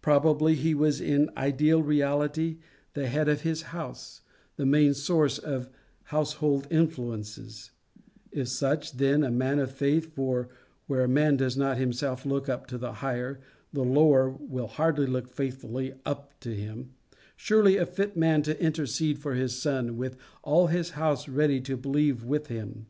Probably he was in ideal reality the head of his house, the main source of household influences if such, then a man of faith, for, where a man does not himself look up to the higher, the lower will hardly look faithfully up to him surely a fit man to intercede for his son, with all his house ready to believe with him.